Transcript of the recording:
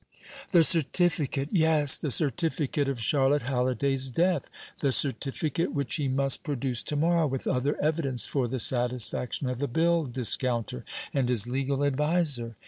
The certificate! Yes, the certificate of Charlotte Halliday's death, the certificate which he must produce to morrow, with other evidence, for the satisfaction of the bill discounter and his legal adviser.